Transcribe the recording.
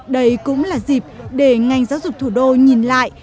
đây cũng là dịp để ngành giáo dục thủ đô nhìn lại